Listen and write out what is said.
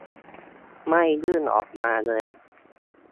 ไม่ยื่นออกมาเลย